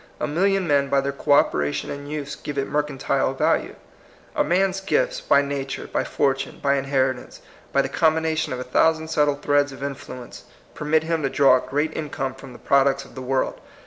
A million men by their co operation and use give it mercantile value. A man's gifts, by nature, by fortune, by inheritance, by the combination of a thou sand subtle threads of influence, permit him to draw a great income from the pro ducts of the world.